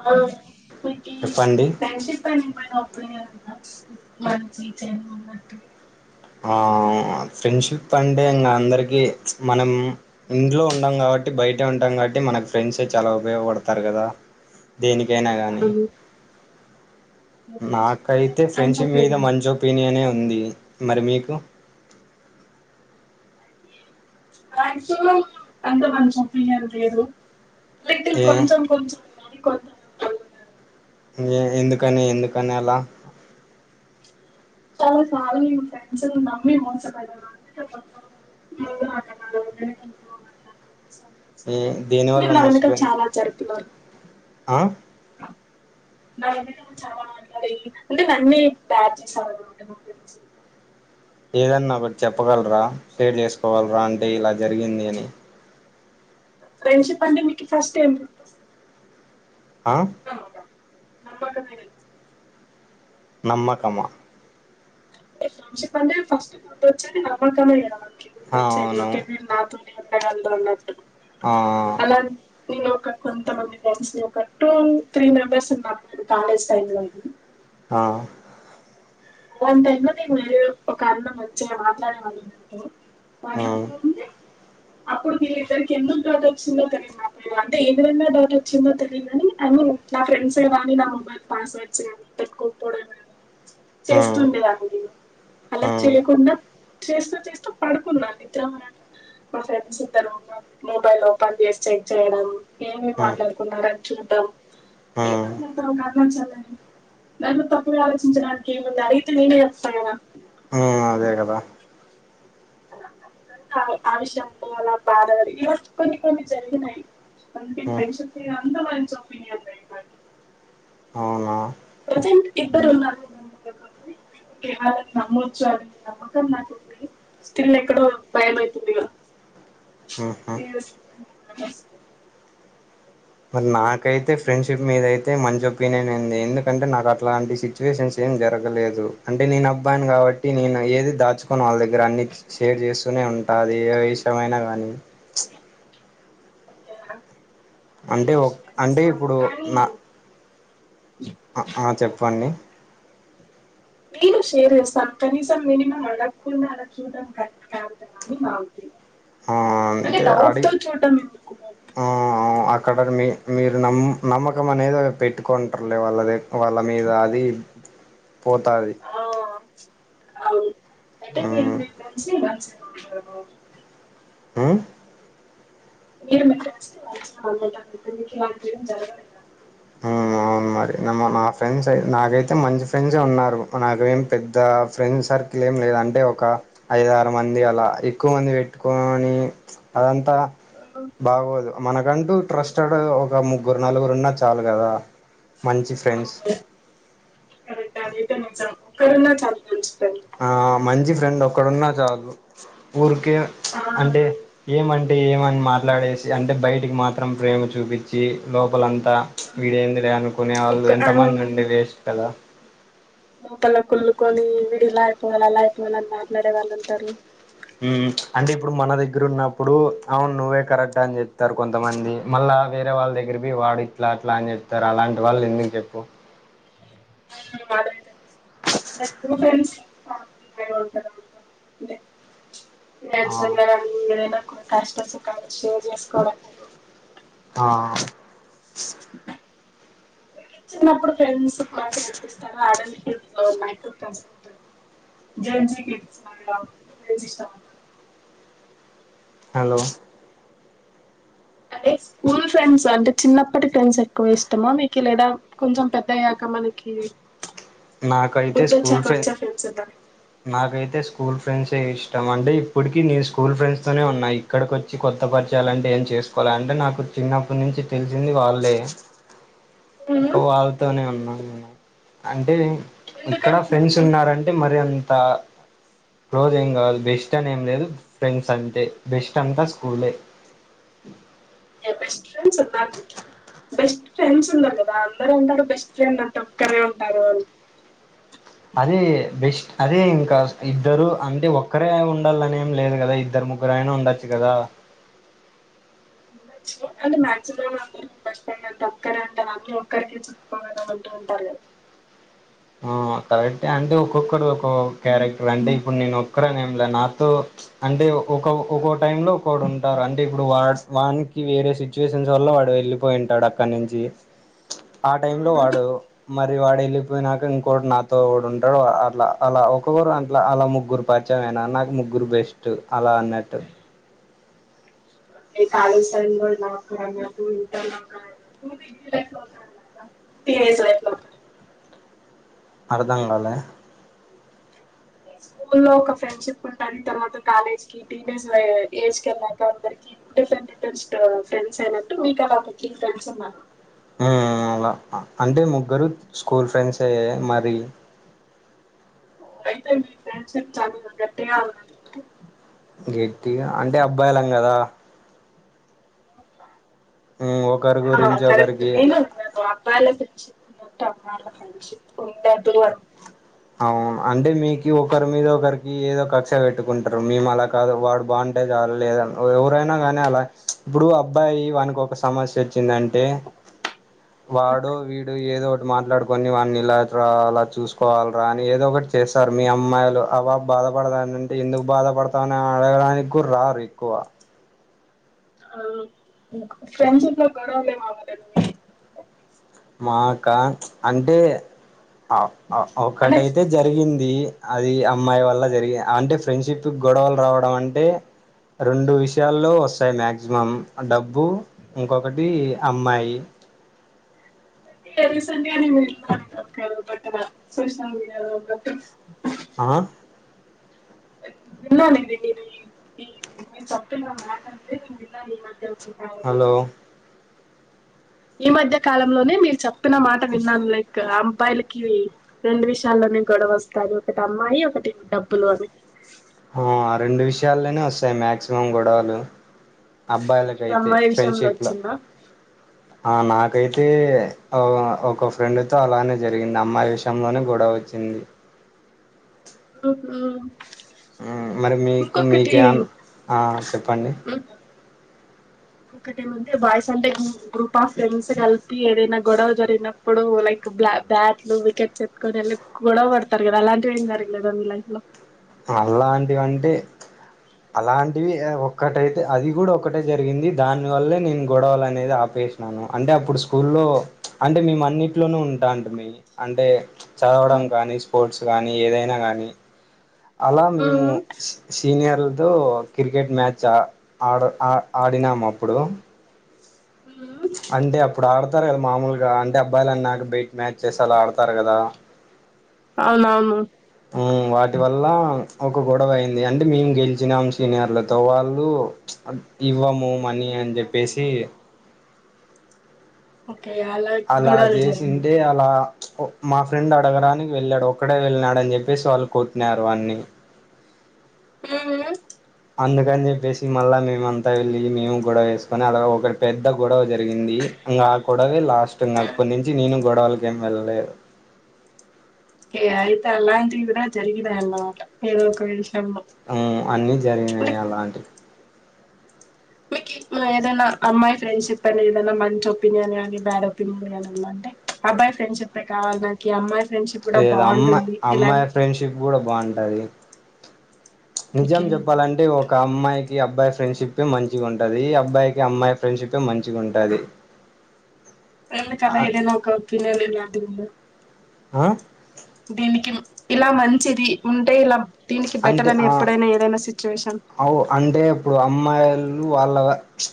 ఆ చెప్పండి ఫ్రెండ్షిప్ కి మంచి చెడు ఉన్నట్టు ఆ ఫ్రెండ్షిప్ అంటే ఇంగ అందరికి మనం ఇంట్లో ఉండం కా కాబట్టి బయటె ఉంటాం కాబటి మనకి ఫ్రెండ్సే చాలా ఉపయోగపడతారు కదా దేనికైనా కానీ మీ ఫ్రెండ్షిప్ అయితే నాకైతే మీకు మంచి ఫ్రెండ్షిప్ మీద ఒపీనియన్ మంచి ఒపీనియనే ఉంది మరి మీకు అ అంత మంది చంపించను లేదు లైక్ ఇది ఏ కొంచం కొంచం మరి కొం ఎందుకని ఎందుకని అలా చాలా చాల ఫెండ్స్ నమ్మి మోడ్సద మా ఏ మీరు దేనివల్ల నా వెనక మోసపోయిన చాలా జరుపుతున్నారు ఆ నా ఎందుకన్నా చవా మాట్లాడ అంటే అవన్నీ బ్యాడ్ చేసావన్నమాట మా ఫ్రె ఏదన్నా ఒకటి చెప్పగలరా షేర్ చేసుకోవలరా అంటే ఇలా జరిగింది అని ఫ్రెండ్షిప్ అంటె మీక్ ఫస్ట్ టైం ఆ నమ్మకమె నామ్మకమ చెప్పండి ఫస్ట్ వచ్చేది నమ్మకమే కదా ఆ సరి అవును ఓకే మీరు నాతోనే ఉండగలదు అన్నట్టు ఆ అ అలా నేను ఒక కొంతమంది ఫ్రెండ్స్ ని ఒక టూ త్రీ మెంబెర్స్ ఉన్నారు కాలేజ్ టైమ్ లో ఇది ఆ అలాంత అన్నది మీరు ఒక అన్న మంచిగా మాట్లాడే వాళ్ళు నాతో ఆ ఆ పనవుతుంది. అప్పుడు మీరి ఇద్దరికి ఎందుకు డౌట్ వచ్చిందో తెలిదు నాకు అప్పుడు అంటే ఎందు వలనా డౌట్ వచ్చిందో తెలియందని అయ నా ఫ్రెండ్స్ వాిని మొబైల్ పాస్ వర్డ్స్ కాని పెట్కోకపోడం కానీ ఆ. చేస్తుండేదాన్నిలో అలా హ్మ్ చేయకుండా చేస్తూ చేస్తూ పడుకున్నాను నిద్ర అనట మా ఫ్రెండ్స్ ఇద్దరు ఉన్న మొబైల్ ఓపన్ చేస్తే చేయడం ఏమి హ్మ్ మాట్లాడుకున్నారని చూడ్డం హ్మ్ ఏం మాట్లాడుతు మంచోల్లె దాంట్లో తప్పుడుగ ఆలోచించడానికి ఏముంది అడిగితే నేనే చెప్తా కదా హ్మ్ అదే కదా అ ఆవిషయం పోలా బార ఈ రోజు కొని కొన్ని జరిగిన యి అంతై హ్మ్ ఫెన్షిప్ మీద అంత మంచి ఒపీనియన్ అవున ప్రజెంట్ ఇద్దరు ఉన్నారు నమ్మ వాళ్ళని నమ్మచ్చు అని నమ్మకం నాకు ఉంది స్టిల్ ఎక్కడో భయమైతుంది ఇగా హుహు. [unintelligible] మరి నాకైతే ఫ్రెండ్షిప్ మీద అయితే అంటే మంచి ఒపీనియన్ ఉంది ఎందుకంటే నాకు అలాంటి సిచ్యువేషన్స్ ఏం జగలేదు అంటె నేను అబ్బాయిని కాబ కాబట్టి నేను ఏది దాచుకొని వాళ్ళ దగ్గర అన్ని షేర్ చేస్తూనే ఉంటా అది ఏ విషయమైనా గానీ న ఓకేన అంటే ఒక్ అంటే ఇప్పుడు నా అ ఆ ఓకే చెప్పండి నేను షేర్ చేస్తా కనీసం మినిమం అడక్కుండా అలా చూడడం కరెక్ట్ కాదు కదా అని మాగుతు ఆ! అంటె అంటే డౌట్ అడిగి తో చూడటం ఆ! ఆ! అక్కడ మీ మీరు నమ్మ నమ్మకం అనేది పెట్టుకుంటారులే వాళ్ళది వాళ్ళ మీద అది పోతాది. ఆ అవును అంటే మీ హ్మ్ ఫ్రెండ్స్ ని మర్చి పోతారు ఉమ్ మీేరు ఫ్రెండ్స్ ని [unintelligible] ఏం జరగలేద అవున మరి నా ఫ్రెండ్స్ నాకైతే మంచి ఫ్రెండ్స్ే ఉన్నారు నాకేం పెద్ద ఫ్రెండ్స్ సర్ అట్లాం లేదు అంటే ఒక ఐద ఆరు మంది అలా ఎక్కువ మంది పెట్టుకని అదంతా ఉమ్, త బాగోదు మనకంటూ ట్రస్టెడ్ ఒక ముగ్గురు నలుగురున్న చ్చ చాలు కదా మంచి ఫ్రెండ్స్ కరతేనే చ కరన్నా చతు ఆ మంచి ఫ్రెండ్ ఒక్కడున్నా చాలు ఊరు ఆ అంటే ఏం అంటడి అంటే ఏమని మాట్లాడేసి అంటే బయటికి మాత్రం ప్రేమ చూపించి లోపలంతా ఉమ్, వీడేంది లే అనుకునే వాళ్ళు ఒక్క ఆ ఎంతమంది ఉండడి వేస్ట్ కదా లోపల్లో కుళ్లుకొని వడు ఇలా అయిపోవాలి అలా అయిపోవాల అని మాట్లాడే వాళ్ళు ఉంటారు అంటే ఇప్పుడు మన దగ్గర ఉన్నప్పుడు అవును నువ్వే కరెక్ట్ా అని చెప్తారు కొంతమంది మళ్ళా వేరే వాళ్ళ దగ్గర వాడు ఇట్లా అట్లా అని చెప్తారు అలాంటి వాళ్ళు ఎందుకు చెప్పు మాదయితేజ ఫ్రెంస్ ఫలీ ఉంట ఆ ఫండ్స్ అ కాష్ట సుఖాలు షేవ్ చేసుకోవడాదు ఆ చిన్నప్పుడు ఫ్రెండ్స్ కూడా గనిపిస్తారు ఆడల్ ఫీల్డ్ లో ఉన్నాయి ప్రజె జజ కజ ఇష్టమ హలో అదే స్కూల్ ఫ్రెండ్స్ అంటే చిన్నప్పటి ఫ్రెండ్స్ ఎక్కువ ఇష్టమా మీకు లేదా కొంచెం పెద్ద్యాక మనకి నాకైతే స్కూల్ బుద్ధొచ్చాక ఫె వచ్చే ఫ్రెండ్స్ ఉన్నార నాకైతే స్కూల్ ఫ్రెండ్స్ే ఇష్టం అంటే ఇప్పటికి నేను స్కూల్ ఫ్రెండ్స్ తోనే ఉన్నాయి ఇక్కడిక వచ్చి కొత్త పల్ ప చేయాలంటే ఏం చేసుకోవాలి అంటే నాకు చిన్నప్పటి నుంచి తెలిసింది వాళ్ళే ఒక ఉమ్ వాళ్ళతోనే ఉన్నాం అంటే ఇక్కడ ఎందుకని ఫ్రెండ్స్ ఉన్నారంటే మరి అంత క్లోజ్ ఏం కావాలదు బెస్ట్ అని ఏం లేదు ఫ్రెండ్స్ అంటే బెస్ట్ అంతా స్కూలే బెస్ట్ ఫ్రెండ్స్ ఉందా బెస్ట్ ఫ్రెండ్స్ ఉన్నారు కదా అందరుూ ఉంటారు బెస్ట్ ఫ్రెండ్ అంటే ఒక్కరే ఉంటారు వాళ్ళు అది బెస్ట్ అదే ఇంకా ఇద్దరు అంటే ఒరే ఉండాలనేం లేదు కదా ఇద్దరు ముగ్గురునా ఉండాచ్చు కదా అంటే మాక్సిమం అందరుూ బస్ స్టాండ్ అంతా ఒక్కర అంటారు అందరూ ఒక్కరిక చెప్పుకోవలం అంటూ ఉంటారు ఆ కాబట్ే అంటే ఒక్కొక్కడు ఒక క్యారెక్టర్ అంటే ఇప్పుడు నేను ఇక్కడే ఏం లేదు నాతో అంటే ఒక ఒక్కో టై లో ఒకడు ఉంటారు అంటే ఇప్పుడు వాడు వానికి వేరే సిచ్యువేషన్స్ వల్ల వాడు వెళ్ళిపోయి ఉంటాడు అక్కడి నుంచి ఆ టై లో కదా వాడు మరి వాడు వెళ్ళి పోయినాక ఇంకోటి నాతోడు ఉంటాడు అట్లా అలా ఒక్కొక్కరు అట్ అలా ముగ్గురు పరిచామైనా నాకు ముగ్గురు గురుబెస్ట్ అలా అన్నట్టు కాాల స ట నా క ఇంటర్ నా గ ఫ లో తజైఫ లో అర్ధంగాంగాళే స్కూ లో ఒక ఫ్రెండ్షిప్ ఉంటాంది తర్వాత కాలేజ్ కి టీనేజ్ ఏజ్ క వెళ్ళాక అందరికి డిఫరెంట్ డిఫరెంట్ ఫ్రెండ్స్ అయినట్టు మీకు అలా ఒక త్రీ ఫ్రెండ్స్ ఉన్నారు అవులా అంటే ముగ్గురు స్కూల్ ఫ్రెండ్స్ అయ మరి యితే ఫ్రడ్ చాలట్ట ఉ గట్టి అంటే అబ్బాయిలం కదా ఉమ్, ఒకరి ఆ గురించి కర ఒకరికి నేను ఉన్నా బాబ్బాల్లో పెనిస్తున్నట్టు అమ్మాళ్ళ కుంట అవు అంటే మీకు ఒకరి మీద ఒకరికి ఏదో కక్ష పెట్టుకుంటారు మేము అలా కాదు వాడు బాగుంటేది లేద ఎవరైనా కాగానీ అలా ఇప్పుడు అబ్బాయి వానికి ఒక సమస్య వచ్చిందంటే వాడు వీడు ఏదో ఒక మాట్లాడుకొని వాని ఇలా ఇ అలా చూసుకోవాలి రాని ఏదో ఒకటి చేస్తారు మీ అమ్మాయిలు ఆబాబు బాధపడతాంటే ఎందుకు బాధపడతాని అడగడానికి కుర ర ఎక్కువ అ ఫ్రెండ్షిప్లా గోడవలే మావా లేదు మాకా అంటే అంటే ఒకటైతే జరిగింది అది అమ్మాయి వల్ల జరిగి అంటే ఫ్రెండ్షిప్ గొడవలు రావడం అంటే రెండు విషయాల్లో వస్తాయి మాక్సిమం డబ్బు ఇంకొకటి అమ్మాయి రీసెంట్గా పట్ట సోషల్ మీడియాలో ఆ నిల్ నది ఈ సొప్ప మాట్ అందే నిల్ మధ్య [unintelligible] అ హలో ఈ మధ్య కాలంలోనే మీరు చెప్పిన మాట విన్నాను లైక్ అబ్బాయిలకి రెండు విషయాల్లో అ గొడవ వస్తారు ఒకటి అమ్మాయి ఒకటి డబ్బులు అని రెండు విషయాల్లోనే వస్తాయి మాక్సిమం గొడవలు ఇక అబ్బాయిలకైతే అమ్మాయి విషయంలో ఫ్రెండ్షిప్ లో వచ్చిందా ఆ నాకైతే ఒక ఫ్రెండ్తో అలానే జరిగింది అమ్మాయి విషయంలోనే గొడవ వచ్చింది ఆహా మరి మీకు మీకే చెప్పండి ఇంకొకటి ఏమంటే బాయ్స్ అంటే గ్రూప్ ఆఫ్ ఫ్రెండ్స్ కలిపి ఏదైనా గొడవ జరిగినప్పుడు లైక్ బ్యాట్లు వికెట్ ఎత్తుకొని వెళ్ళి గొడవ పడతారు కదా అలాంటివి ఏం జరగలేదు మీ లైఫ్ లో అల్లాంటి వంటే అలాంటివి ఒక్కటైతే అది కూడా ఒకక్కటే జరిగింది దాని వల్లే నేను గొడవలు అనేది ఆప వేసినాను అంటే అప్పుడు స్కూల్లో అంటే మేము అన్నింటిలోనే ఉంటా అంట మీ అంటే చదవడం కానీ స్పోర్ట్స్ కానీ ఏదైనా కానీ అలా మేము సీనియర్ తో క్రికెట్ మ్యాచ్ ఆడు ఆ ఆడినాము అప్పుడు అంటే అప్పుడు ఆడతారు కదా మామూలుగా అంటే అబ్బాయిలు అన్నాక బయిట్ మ్యాచ్ చేసి అలా ఆడతారు కదా అవునవును అ వాటి వల్ల ఒక గొడవ అయింది అంటే మేము గెలిచినాం సీనియర్లతో వాళ్ళు ఇవ్వము మనీ అని చెప్పేసి ఓకే అలా గొడవలు జరిగినయి చేసింటే అలా మా ఫ్రెండ్ అడగడానికి వెళ్ళాడు ఒక్కడే వెళ్ళినాడు అని చెప్పేసి వాళ్ళు కూట్టినారు అన్ని హుహు అందుకని చెప్పేసి మళ్ళీ మేమంతా వెళ్లి మేము గొడవేసుకొని అలాగ ఒకటి పెద్ద గొడవ జరిగి ఇంకా ఆ గోడాడవే లాస్ట్ ఇం ఇటి నుంచి నేను గొడవల ఏం వెళ్ళలేదు ఏ అయితే అలాంటివి కూడా జరిగదాయిన్నమాట ఏదో ఒక విషయం అన్ని జరిగినాయి అలాంటివి మీకు ఏదైనా అమ్మాయి ఫ్రెండ్షిప్ అని ఏదైనా మంచి ఒపీనియన్ కానీ బ్యాడ్ ఒపీనియన్ కానీన్నా అబ్బాయి ఫ్రెండ్షిప్ కావాల నాకి అమాయి లేదు అమ్మాయి అమ్మాయి ఫ్రెండ్షిప్ కూడా బాగుంటది నిజం ఓకే చెప్పాలంటే ఒక అమ్మాయి అబ్బాయి ఫ్రెండ్షిప్ మంచిగా ఉంటది అబ్బాయికి అమ్మాయి ఫ్రెండ్షిప్ మంచిగా ఉంటది ఎందుకలా ఏదైనా ఒక ఒక ఒపీనియన్ ఇదింది ఆ దీనికి ఇలా మంచిది ఉంటే ఇలా దీనికి అంటే బెటర్ అని ఆ ఎప్పుడైనా ఏదైనా సిచ్యువేషన్ అవు అంటే ఇప్పుడు అమ్మాయిలు వాళ్ళ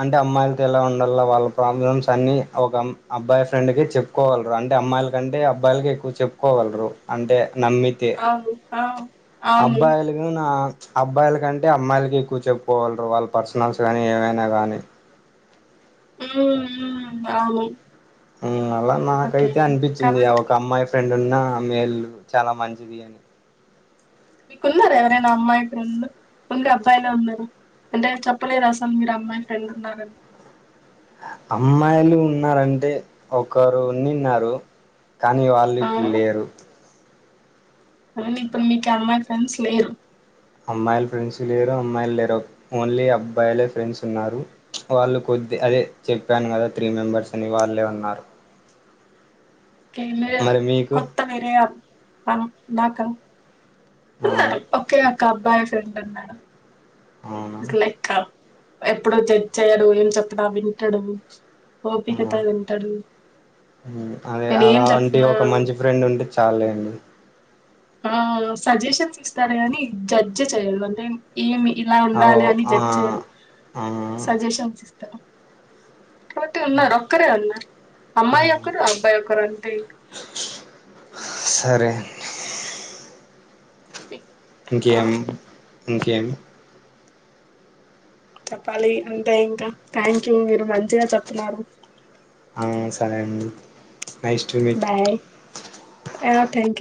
అంటే అమ్మాయిలతో ఎలా ఉండలో వాళ్ళ ప్రాబ్లమ్స్ అన్ని ఒక అబ్బాయి ఫ్రెండ్ క చెప్పుకోగలరు అంటే అమ్మాయిల కంటే అబ్బాయిలకి ఎక్కువ చెప్పుకోగలరు అంటే అవును అవును అబ్బాయిలకు నా అబ్బాయిల కంటే అమ్మాయిలకి ఎక్కువ చెప్పుకోవలరు వాళ్ళ పర్సనల్స్ కానీ ఏమైనా కానీ ఉ అవును అలా ఓకే నాకైతే అనిపించింది ఆ కాబట్టి ఒక అమ్మాయి ఫ్రెండ్ ఉన్న మేలు చాలా మంచిది అని కున్నారు ఎవరైనా అమ్మాయి ఫ్రెండ్ ఇంకా అబ్బాయిలో ఉన్నారు అంటే చెప్పలేదు అసలు మీరు అమ్మాయి ఫ్రెండ్ ఉన్నారని అమ్మాయిలు ఉన్నారంటే ఒకరు ఉన్నిన్నారు కానీ వాళ్ళు ఆ ఇప్పుడు లేరు అలా ఇప్పుడు మీకు అమ్మా ఫ్రెండ్స్ లోరు అమ్మాయిల ఫ్రెండ్స్ లేరు అమ్మాయిలు లేరు ఓన్లీ అబ్బాయిలే ఫ్రెండ్స్ ఉన్నారు వాళ్ళు కొద్ది అదే చెప్పాను కదా త్రీ మెంబర్స్ అని వాళ్ళే ఉన్నారు మరి మీకు కొత్త విర ఉాక ఆ ఉన్నాేడం ఒకే ఒక్క అబ్బాయి ఫ్రెండ్ ఉన్నాేడం అవునా లైక్ ఎప్పుడు చర్చ్ అయ్యాడు ఏం చెప్పడా వింటాడు అదే నేను ఏం అలా వంటి చెప్పినా ఒక మంచి ఫ్రెండ్ ఉండి చాలేండి ఆ సజెషన్స్ ఇస్తారు ని జడ్జి్ చెయదు అంటే ఏమి ఇలా అవ్ ఉండాలి అని ఆ జచ్చారు ఆ సజెషన్స్ ఇస్తారు పోతే ఉన్నారు ఒక్కరే ఉన్నారు ఆ. అమ్మాయి ఒకరు అబ్బాయి ఒకరు అంతే ఇంకా సరే బ ఇంకే ఇంకే చెప్పాలి అంతే ఇంకా థ్యాంక్ యూ మీరు మంచిగా చెప్తున్నారు ఆ సరే అండి nice to meet bye thank you